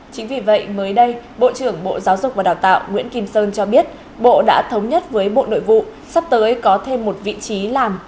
chính vì vậy mới đây bộ trưởng bộ giáo dục và đào tạo nguyễn kim sơn cho biết bộ đã thống nhất với bộ nội vụ sắp tới có thêm một vị trí làm